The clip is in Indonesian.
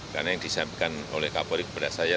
karena yang disampaikan oleh kapolri kepada saya